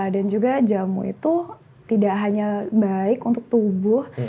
dan juga jamu itu tidak hanya baik untuk tubuh